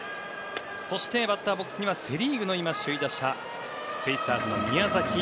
そして、バッターボックスにはセ・リーグの首位打者ベイスターズの宮崎。